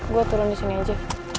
gue turun disini aja